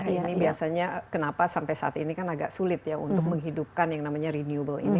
ini biasanya kenapa sampai saat ini kan agak sulit ya untuk menghidupkan yang namanya renewable ini